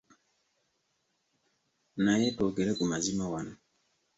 Naye twogere ku mazima wano.